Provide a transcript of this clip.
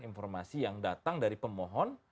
informasi yang datang dari pemohon